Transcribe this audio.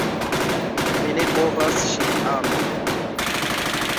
Mi ne povas ŝin ami!